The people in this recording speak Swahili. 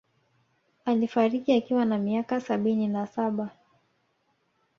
Alifariki akiwa na miaka sabini na saba